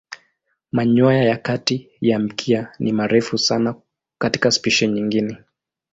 Manyoya ya kati ya mkia ni marefu sana katika spishi nyingine.